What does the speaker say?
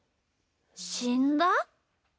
しんだ？